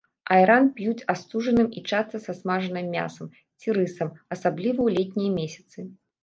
Айран п'юць астуджаным і часта са смажаным мясам ці рысам, асабліва ў летнія месяцы.